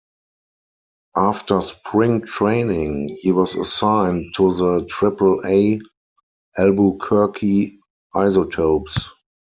After spring training, he was assigned to the Triple-A Albuquerque Isotopes.